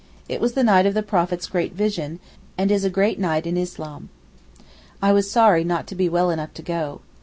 It was the night of the Prophet's great vision, and is a great night in Islam. I was sorry not to be well enough to go.